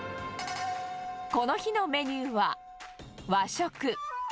この日のメニューは、和食。